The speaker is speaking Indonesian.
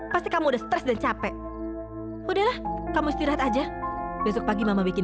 prio cepat jawab